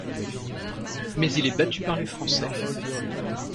Mais il est battu par les Français.